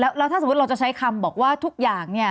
แล้วถ้าสมมุติเราจะใช้คำบอกว่าทุกอย่างเนี่ย